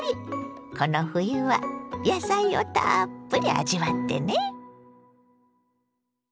この冬は野菜をたっぷり味わってね！